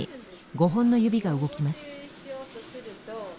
５本の指が動きます。